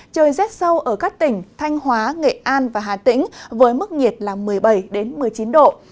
trời rét sâu ở các tỉnh thanh hóa nghệ an và hà tĩnh với mức nhiệt là một mươi bảy một mươi chín độ